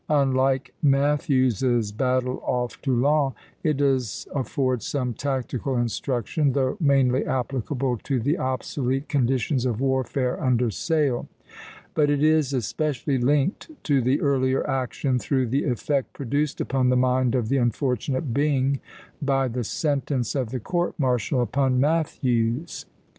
Unlike Matthews's battle off Toulon, it does afford some tactical instruction, though mainly applicable to the obsolete conditions of warfare under sail; but it is especially linked to the earlier action through the effect produced upon the mind of the unfortunate Byng by the sentence of the court martial upon Matthews.